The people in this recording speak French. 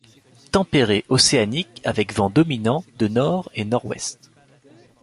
Tempéré océanique avec vents dominants de nord et nord-ouest.